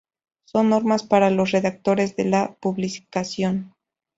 Son normas para los redactores de la publicación.